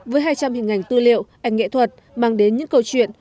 với hai trăm linh hình ảnh tư liệu ảnh nghệ thuật mang đến những câu chuyện